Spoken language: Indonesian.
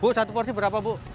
bu satu porsi berapa bu